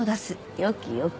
よきよき。